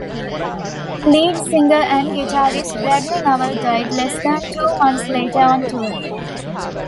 Lead singer and guitarist Bradley Nowell died less than two months later on tour.